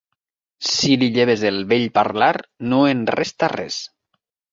Si li lleves el bell parlar, no en resta res.